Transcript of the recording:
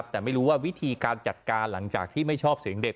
แต่ไม่รู้ว่าวิธีการจัดการหลังจากที่ไม่ชอบเสียงเด็ก